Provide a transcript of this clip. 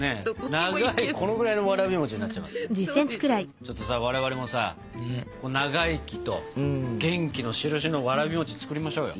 ちょっとさ我々もさ長生きと元気のしるしのわらび餅作りましょうよ。